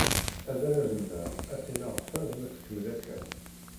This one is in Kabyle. Adrar-nneɣ ad t-ineɣ fad ma tkemmel akka